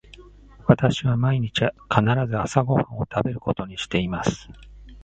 私は毎日必ず朝ご飯を食べることにしています。